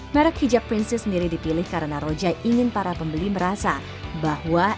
merek hijab princess sendiri dipilih karena rojai ingin para pembeli merasa bahwa